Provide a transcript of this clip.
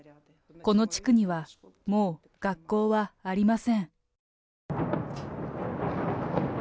この地区にはもう学校はありません。